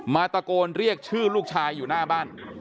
ตะโกนเรียกชื่อลูกชายอยู่หน้าบ้าน